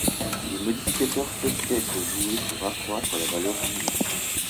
Les modificateurs peuvent être joués pour accroitre la valeur d'une main.